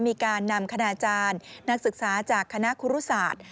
มีการนำคณาจารย์นักศึกษาจากคณะครูรุศาสตร์